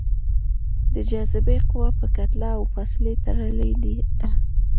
د جاذبې قوه په کتله او فاصلې تړلې ده.